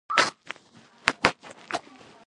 په پښتو ادبیاتو کې که نثر دی او که شعر.